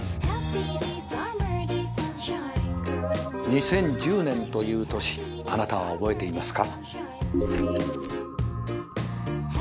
２０１０年という年あなたは覚えていますか？